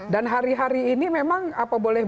dan hari hari ini memang apa boleh